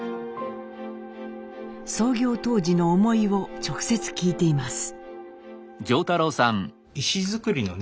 創業当時の思いを直接聞いています。